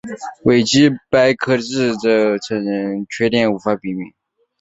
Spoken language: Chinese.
即使是维基百科的支持者亦承认这个缺点无法避免。